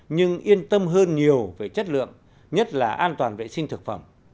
nhưng yên tâm hơn nhiều về chất lượng nhất là an toàn vệ sinh thực phẩm